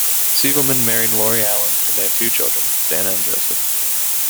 Siegelman married Lori Allen, and they have two children, Dana and Joseph.